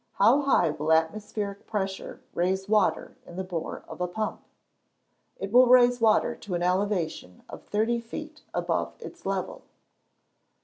How high will atmospheric pressure raise water in the bore of a pump? It will raise water to an elevation of thirty feet above its level.